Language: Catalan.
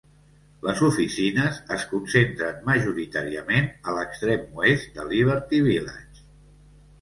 Les oficines es concentren majoritàriament a l'extrem oest de Liberty Village.